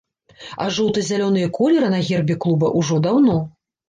А жоўта-зялёныя колеры на гербе клуба ўжо даўно.